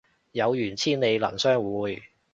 有緣千里能相會